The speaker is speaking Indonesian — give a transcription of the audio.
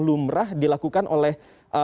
lumrah dilakukan oleh